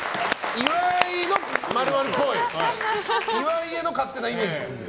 岩井への勝手なイメージ。